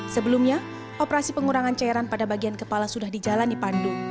sebelumnya operasi pengurangan cairan pada bagian kepala sudah dijalani pandu